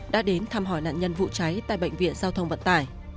đã đến thăm hỏi nạn nhân vụ cháy tại bệnh viện giao thông vận tải